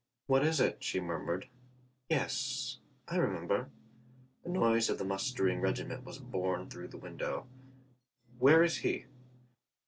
"What is it?" she murmured. "Yes, I remember" ... The noise of the mustering regiment was borne through the window. ... "Where is he?"